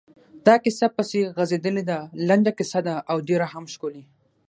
دا کیسه پسې غځېدلې ده، لنډه کیسه ده او ډېره هم ښکلې…